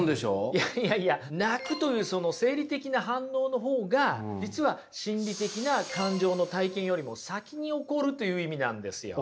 いやいやいや泣くというその生理的な反応の方が実は心理的な感情の体験よりも先に起こるという意味なんですよ。